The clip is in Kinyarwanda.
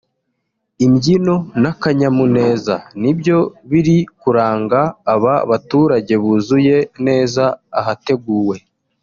imbyino n’akanyamuneza nibyo biri kuranga aba baturage buzuye neza ahateguwe